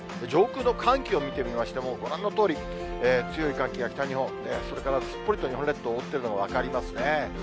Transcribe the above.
上空の寒気を見てみましても、ご覧のとおり、強い寒気が北日本、それから、すっぽりと日本列島を覆っているのが分かりますね。